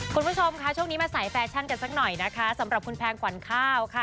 คุณผู้ชมค่ะช่วงนี้มาสายแฟชั่นกันสักหน่อยนะคะสำหรับคุณแพงขวัญข้าวค่ะ